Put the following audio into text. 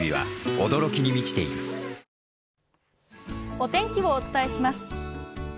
お天気をお伝えします。